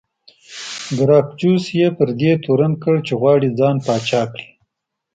ګراکچوس یې پر دې تورن کړ چې غواړي ځان پاچا کړي